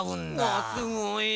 わすごい！